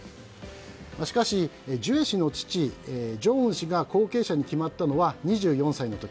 しかし、ジュエ氏の父・正恩氏が後継者に決まったのは２４歳の時。